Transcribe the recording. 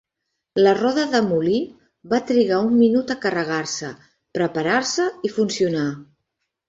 La roda de molí va trigar un minut a carregar-se, preparar-se i funcionar.